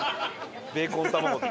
ベーコン玉子と。